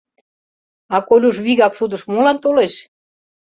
А Колюш вигак судыш молан толеш?